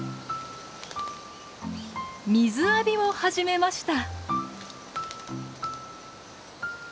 水浴びを始めました。